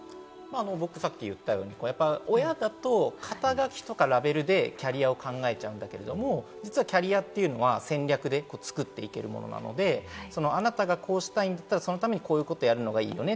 さっき言ったように、親だと肩書とかラベルでキャリアを考えちゃうんだけれども、実はキャリアというのは戦略で作っていけるものなので、あなたがこうしたいと言ったら、そのためにこういうことやるのがいいよね